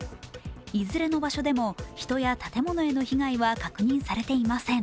いずれの場所でも人や建物への被害は確認されていません。